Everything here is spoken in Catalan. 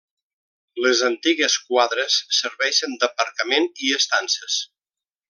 Les antigues quadres serveixen d'aparcament i estances.